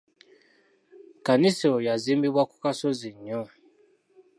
Kkanisa eyo yazimbibwa ku kasozi nnyo.